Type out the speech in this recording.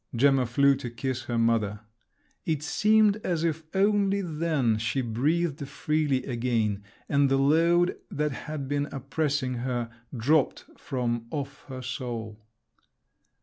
Gemma flew to kiss her mother…. It seemed as if only then she breathed freely again, and the load that had been oppressing her dropped from off her soul.